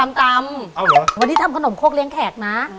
วันนี้ทำขนมโคกเลี้ยแขกนะ